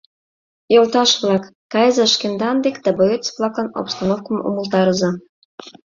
— Йолташ-влак, кайыза шкендан дек да боец-влаклан обстановкым умылтарыза.